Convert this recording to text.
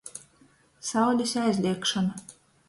Saulis aizliekšona.